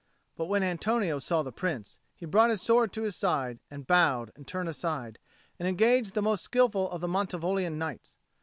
But when Antonio saw the Prince, he brought his sword to his side and bowed and turned aside, and engaged the most skilful of the Mantivoglian knights.